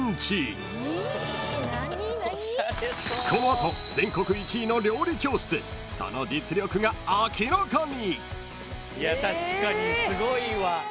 ［この後全国１位の料理教室その実力が明らかに］